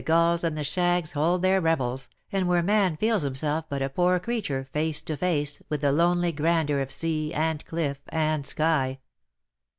91 gulls and the shags hold their revels, and where man feels himself but a poor creature face to face with the lonely grandeur of sea, and cliff, and sky.